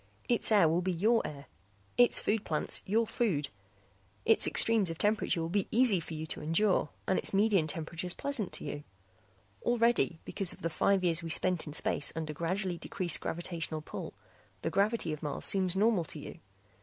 Its air will be your air; its food plants your food. Its extremes of temperature will be easy for you to endure and its median temperatures pleasant to you. Already, because of the five years we spent in space under gradually decreased gravitational pull, the gravity of Mars seems normal to you.